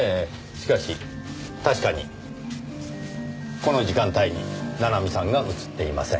しかし確かにこの時間帯に七海さんが写っていません。